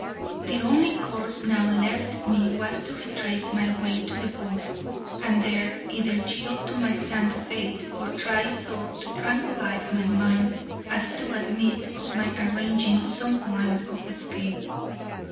The only course now left me was to retrace my way to the box, and there either yield to my sad fate, or try so to tranquilize my mind as to admit of my arranging some plan of escape.